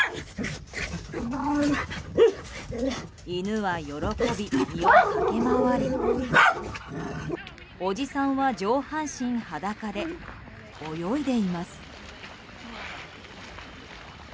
犬は喜び庭駆け回りおじさんは上半身裸で泳いでいます。